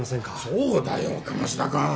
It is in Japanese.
そうだよ鴨志田くん。